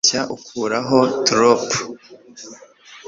kubeshya ukuraho torpor